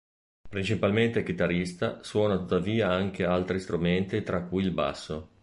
Principalmente chitarrista, suona tuttavia anche altri strumenti tra cui il Basso.